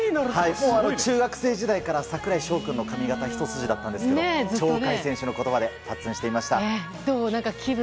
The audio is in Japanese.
中学生時代から櫻井翔君の髪形ひと筋だったんですけど鳥海選手の言葉でパッツンにしてみました！